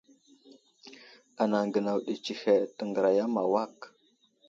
Anaŋ gənaw ɗi tsəhed təŋgəraya ma awak.